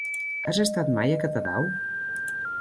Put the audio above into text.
Has estat mai a Catadau?